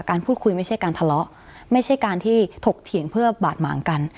การพูดคุยไม่ใช่การทะเลาะไม่ใช่การที่ถกเถียงเพื่อบาดหมางกัน